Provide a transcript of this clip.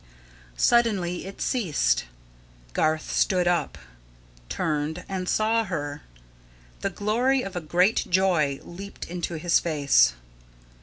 Suddenly it ceased. Garth stood up, turned, and saw her. The glory of a great joy leaped into his face.